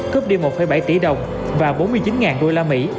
cướp đi một bảy tỷ đồng và bốn mươi chín usd